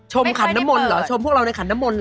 ชมขันนมนต์เหรอชมพวกเราในขันนมนต์เหรอ